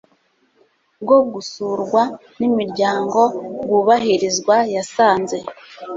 bwo gusurwa n imiryango bwubahirizwa yasanze